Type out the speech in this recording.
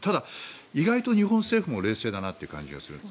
意外と日本政府も冷静だなという感じがします。